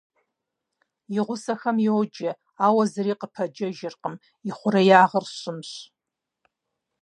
И гъусэхэм йоджэ, ауэ зыри къыпэджэжыркъым, ихъуреягъыр щымщ.